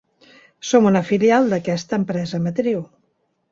Som una filial d'aquesta empresa matriu.